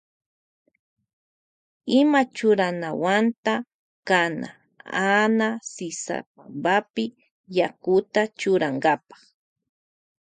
Ima churanawanta kana Ana sisa pampapi yakuta churankapa.